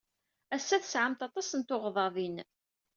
Ass-a, tesɛamt aṭas n tuɣdaḍin.